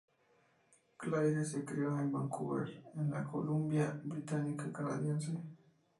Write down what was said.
Claire se crio en Vancouver, en la Columbia Británica canadiense.